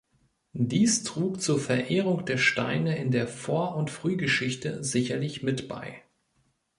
Dies trug zur Verehrung der Steine in der Vor- und Frühgeschichte sicherlich mit bei.